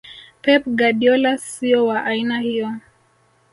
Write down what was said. Pep Guardiola sio wa aina hiyo